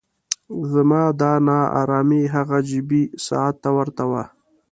زما دا نا ارامي هغه جیبي ساعت ته ورته وه.